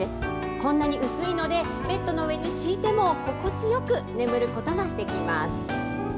こんなに薄いので、ベッドの上に敷いても心地よく眠ることができます。